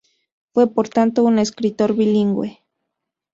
Fue, por tanto, un escritor bilingüe.